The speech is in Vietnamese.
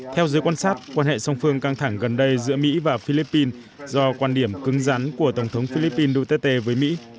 theo giới quan sát quan hệ song phương căng thẳng gần đây giữa mỹ và philippines do quan điểm cứng rắn của tổng thống philippines duterte với mỹ